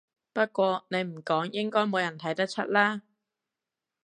不過你唔講應該冇人睇得出啦